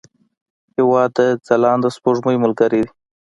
هېواد د ځلانده سپوږمۍ ملګری دی.